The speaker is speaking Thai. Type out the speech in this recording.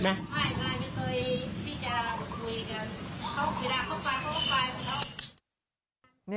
ไม่ไม่เคยที่จะคุยกัน